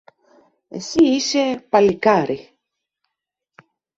Εσύ είσαι, παλικάρι